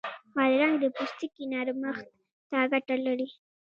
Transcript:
بادرنګ د پوستکي نرمښت ته ګټه لري.